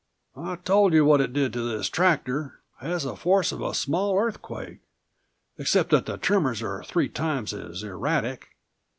I told you what it did to this tractor. Has the force of a small earthquake, except that the tremors are three times as erratic.